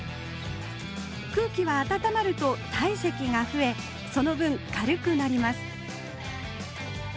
空気は温まると体積が増えその分軽くなります